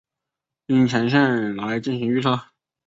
樱前线来进行预测。